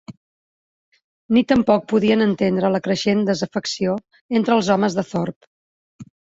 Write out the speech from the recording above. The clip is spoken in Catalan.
Ni tampoc podien entendre la creixent desafecció entre els homes de Thorpe.